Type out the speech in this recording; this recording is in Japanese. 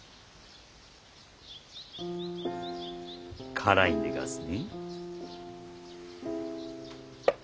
辛いんでがすね？